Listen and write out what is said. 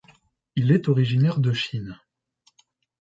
Il est originaire de Chine.